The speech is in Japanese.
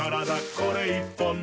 これ１本で」